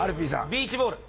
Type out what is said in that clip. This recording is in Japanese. ビーチボール！